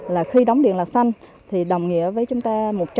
là khi đóng điện lạc xanh thì đồng nghĩa với chúng ta một trăm linh